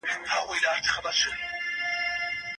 دا کتابونه د افغانستان د ماشومانو لپاره ډېر ګټور دي.